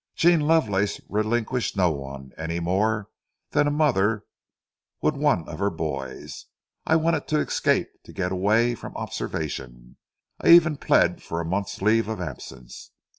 Jean Lovelace relinquished no one, any more than a mother would one of her boys. I wanted to escape, to get away from observation; I even plead for a month's leave of absence.